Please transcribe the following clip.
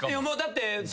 もうだって。